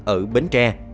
ở bến tre